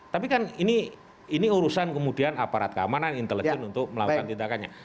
tapi kan ini urusan kemudian aparat keamanan intelijen untuk melakukan tindakannya